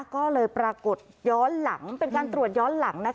ก็เลยปรากฏย้อนหลังเป็นการตรวจย้อนหลัง